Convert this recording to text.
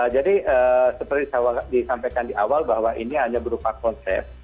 jadi seperti saya disampaikan di awal bahwa ini hanya berupa konsep